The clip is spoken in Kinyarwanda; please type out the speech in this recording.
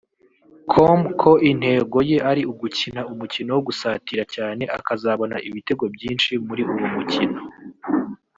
com ko intego ye ari ugukina umukino wo gusatira cyane akazabona ibitego byinshi muri uwo mukino